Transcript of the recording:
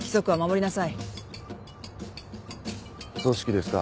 組織ですか。